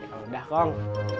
ya udah kong